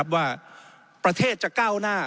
ว่าประเทศจะก้าวหน้า